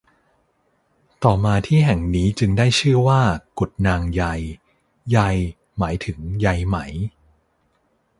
ต่อมาที่แห่งนี้จึงได้ชื่อว่ากุดนางใย ใยหมายถึงใยไหม